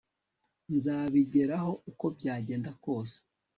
Nzabigeraho uko byagenda kose